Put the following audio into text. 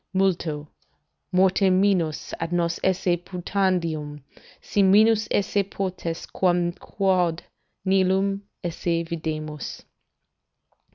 "'Multo ... mortem minus ad nos esse putandium, Si minus esse potest, quam quod nihil esse videmus.